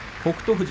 富士